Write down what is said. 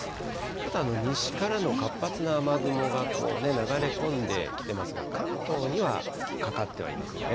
ちょっと、西からの活発な雨雲が流れ込んできてますが、関東にはかかってはいませんね。